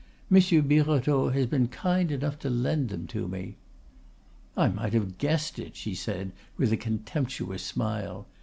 "Monsieur Birotteau has been kind enough to lend them to me." "I might have guessed it," she said, with a contemptuous smile.